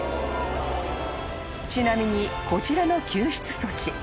［ちなみにこちらの救出措置